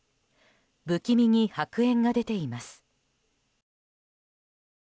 不気味に白煙が出ています。